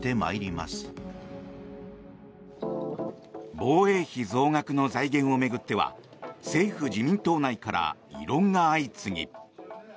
防衛費増額の財源を巡っては政府・自民党内から異論が相次ぎ。